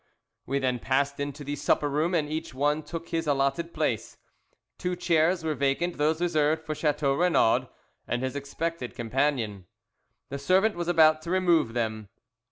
We then passed into the supper room, and each one took his allotted place. Two chairs were vacant, those reserved for Chateau Renaud and his expected companion. The servant was about to remove them.